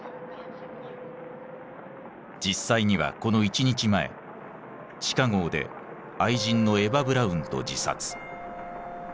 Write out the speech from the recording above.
実際にはこの１日前地下壕で愛人のエヴァ・ブラウンと自殺。